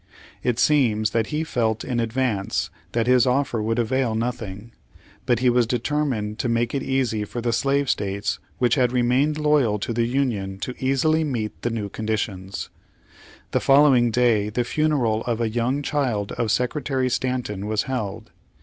It seems that he felt in advance that his offer would avail nothing, but he was determined to miake it easy for the slave states which had rem.ained loyal to the Union to easily meet the new conditions. The follov\^ing day the funeral of a young child of Secretary Stanton was held.